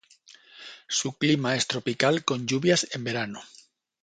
Su clima es tropical con lluvias en verano.